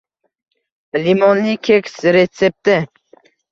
Limonli keks retsepti